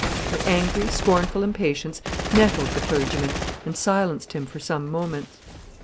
Her angry, scornful impatience nettled the clergyman and silenced him for some moments.